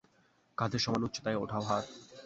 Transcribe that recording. কাধের সমান উচ্চতায় উঠাও হাত।